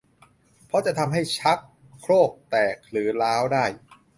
เพราะอาจะทำให้ชักโครกแตกหรือร้าวได้